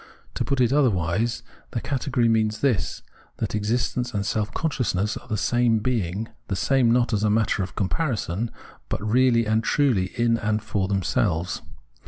To put it otherwise, the category means this, that exist ence and self consciousness are the same being, the same not as a matter of comparison, but really and truly in and for themselves.